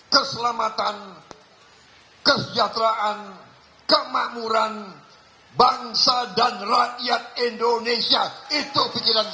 keselamatan kesejahteraan kemakmuran bangsa dan rakyat indonesia itu pikiran